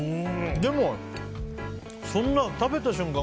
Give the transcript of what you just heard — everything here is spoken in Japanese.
でもそんな食べた瞬間